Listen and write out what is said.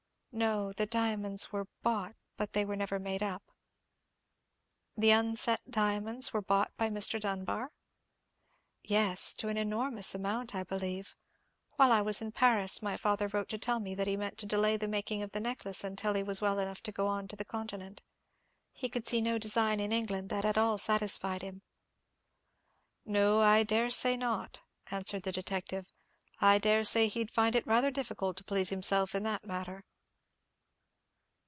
"No; the diamonds were bought, but they were never made up." "The unset diamonds were bought by Mr. Dunbar?" "Yes, to an enormous amount, I believe. While I was in Paris, my father wrote to tell me that he meant to delay the making of the necklace until he was well enough to go on the Continent. He could see no design in England that at all satisfied him." "No, I dare say not," answered the detective, "I dare say he'd find it rather difficult to please himself in that matter."